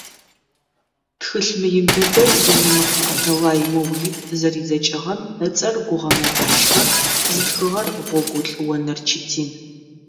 Тхылъ мыин дэдэу Енэмыкъо Аталай Моулид зэридзэкӏыгъэм ыцӏэр «Гугъэ мыухыжьхэр», зытхыгъэр Гъогулӏ Онэр Четин.